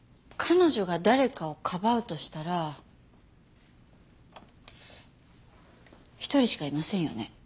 彼女が誰かをかばうとしたら１人しかいませんよね。